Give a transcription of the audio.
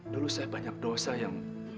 dulu saya banyak dosa yang